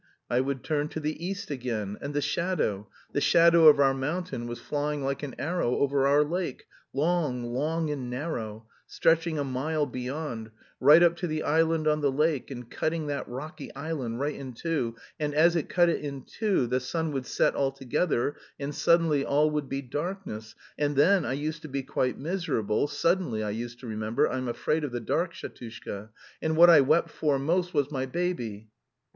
I would turn to the east again, and the shadow, the shadow of our mountain was flying like an arrow over our lake, long, long and narrow, stretching a mile beyond, right up to the island on the lake and cutting that rocky island right in two, and as it cut it in two, the sun would set altogether and suddenly all would be darkness. And then I used to be quite miserable, suddenly I used to remember, I'm afraid of the dark, Shatushka. And what I wept for most was my baby...."